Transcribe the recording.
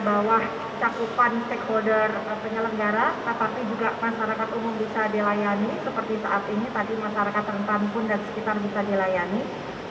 seperti saat ini tadi masyarakat rentan pun dan sekitar bisa dilayani